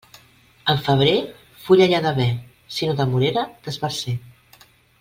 En febrer, fulla hi ha d'haver; si no de morera, d'esbarzer.